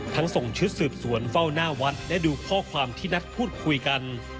ส่งชุดสืบสวนเฝ้าหน้าวัดและดูข้อความที่นัดพูดคุยกัน